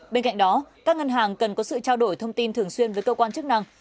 bên cạnh đó các ngân hàng cần có sự trao đổi thông tin thường xuyên với cơ quan chức năng